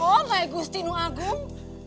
oh my gusti nuh agung